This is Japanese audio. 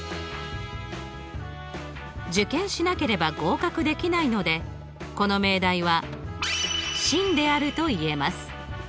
受験しなければ合格できないのでこの命題は真であるといえます。